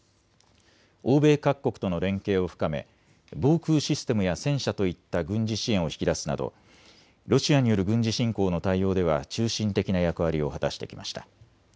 欧米各国との連携を深め防空システムや戦車といった軍事支援を引き出すなどロシアによる軍事侵攻の対応では中心的な役割を果たしてきました。